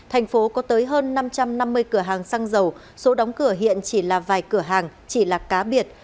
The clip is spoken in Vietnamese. thành phố có tới hơn năm trăm năm mươi cửa hàng xăng dầu số đóng cửa hiện chỉ là vài cửa hàng chỉ là cá biệt